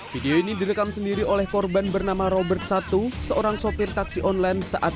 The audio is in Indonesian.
video ini direkam sendiri oleh korban bernama robert satu seorang sopir taksi online saat